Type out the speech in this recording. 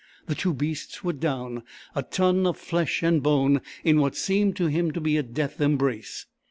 The two beasts were down, a ton of flesh and bone, in what seemed to him to be a death embrace.